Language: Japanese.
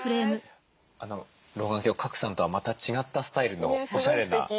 あの老眼鏡賀来さんとはまた違ったスタイルのおしゃれな。